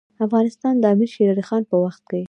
افغانستان د امیر شیرعلي خان په وخت کې.